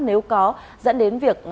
nếu có dẫn đến việc nhập viện chậm trễ